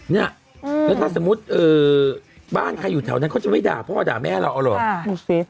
เนี่ยแล้วถ้าสมมุติบ้านใครอยู่แถวนั้นเขาจะไม่ด่าพ่อด่าแม่เราเอาเหรอ